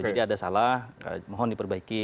jadi ada salah mohon diperbaiki